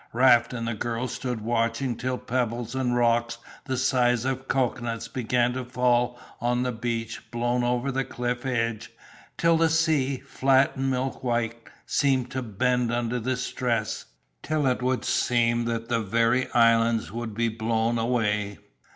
Raft and the girl stood watching till pebbles and rocks the size of coconuts began to fall on the beach blown over the cliff edge, till the sea, flat and milk white, seemed to bend under the stress, till it would seem that the very islands would be blown away.